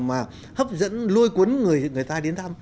mà hấp dẫn lôi cuốn người người ta đến thăm